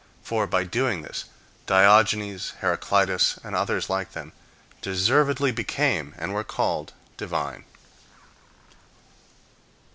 For, by doing this, Diogenes, Heraclitus and others like them, deservedly became, and were called, divine.